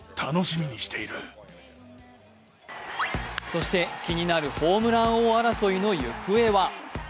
そして、気になるホームラン王争いの行方は？